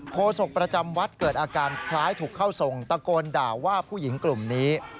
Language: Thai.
โศกประจำวัดเกิดอาการคล้ายถูกเข้าทรงตะโกนด่าว่าผู้หญิงกลุ่มนี้